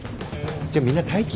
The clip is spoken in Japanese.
じゃあみんな待機。